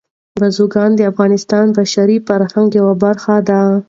بزګان د افغانستان د بشري فرهنګ یوه برخه ده.